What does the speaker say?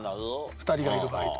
２人がいる場合と。